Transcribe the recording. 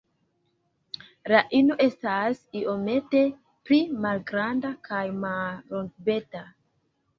La ino estas iomete pli malgranda kaj mallongbeka.